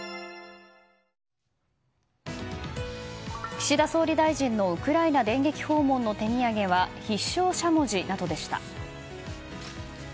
岸田総理大臣のウクライナ電撃訪問の手土産は必勝しゃもじなどでした。